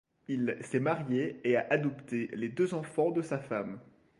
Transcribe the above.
Il s'est marié et a adopté les deux enfants de sa femme.